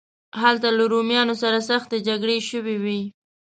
هلته له رومیانو سره سختې جګړې شوې وې.